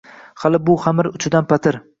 Hali bu xamir uchidan patir